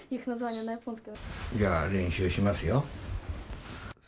じゃあ練習しますよ。